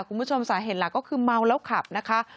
คุณผู้ชมสาเหตุหลักก็คือเมาแล้วขับนะคะ